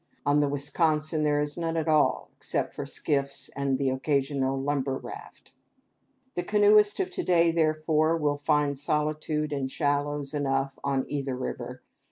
On the Wisconsin there is none at all, except for skiffs and an occasional lumber raft. The canoeist of to day, therefore, will find solitude and shallows enough on either river.